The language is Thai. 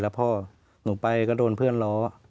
แล้วพ่อหนูไปก็โดนเพื่อนล้อ